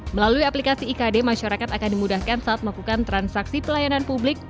melalui aplikasi ikd masyarakat akan dimudahkan saat melakukan transaksi pelayanan publik